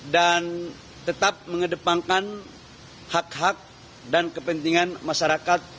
dan tetap mengedepankan hak hak dan kepentingan masyarakat